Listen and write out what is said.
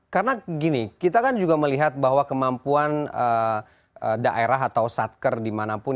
karena gini kita kan juga melihat bahwa kemampuan daerah atau satker dimanapun